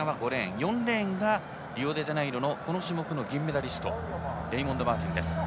４レーンがリオデジャネイロのこの種目の銀メダリストレイモンド・マーティンです。